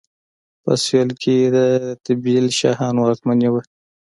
په سویل کې د رتبیل شاهانو واکمني وه.